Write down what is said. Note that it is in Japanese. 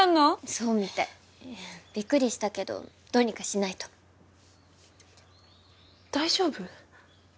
そうみたいビックリしたけどどうにかしないと大丈夫？